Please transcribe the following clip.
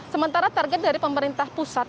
sementara target dari pemerintah pusat